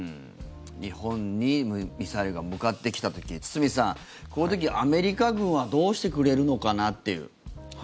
日本にミサイルが向かってきた時堤さん、この時、アメリカ軍はどうしてくれるのかなっていう。